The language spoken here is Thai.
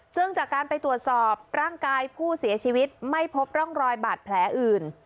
ซึ่งจากการไปตรวจสอบร่างกายผู้เสียชีวิตไม่พบร่องรอยบาดแผลอื่น